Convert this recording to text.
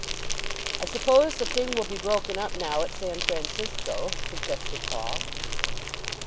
"I suppose the thing will be broken up now at San Francisco," suggested Paul.